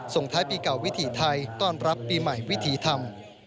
ส่งท้ายปีเก่าวิถีไทยต้อนรับปีใหม่วิถีธรรม